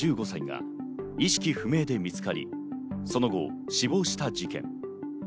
１５歳が意識不明で見つかり、その後、死亡した事件。